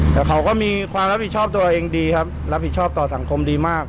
แต่เขาก็มีความรับผิดชอบตัวเองดีครับรับผิดชอบต่อสังคมดีมาก